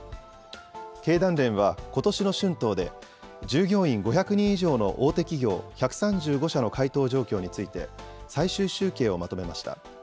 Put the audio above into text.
経団連は、ことしの春闘で、従業員５００人以上の大手企業１３５社の回答状況について、最終集計をまとめました。